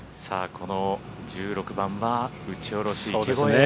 この１６番は打ち下ろし池越え。